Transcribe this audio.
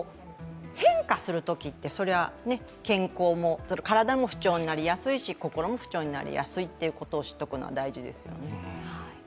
変化するときって体も不調になりやすいし、心も不調になりやすいと知っておくのは大事ですね。